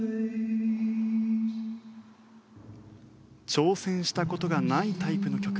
挑戦した事がないタイプの曲。